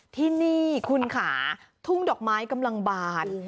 ที่นี่คุณค่ะทุ่งดอกไม้กำลังบาน